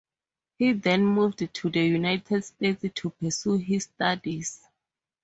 He then moved to the United States to pursue his studies.